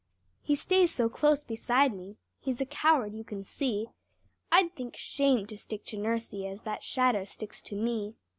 He stays so close beside me, he's a coward you can see; I'd think shame to stick to nursie as that shadow sticks to me!